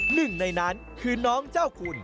หนึ่งในนั้นคือน้องเจ้าคุณ